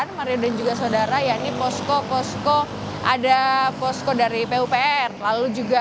ada posko dari pupr lalu juga ada posko dari kepolisian yang memang dibangun pada saat arus mudik ini berlangsung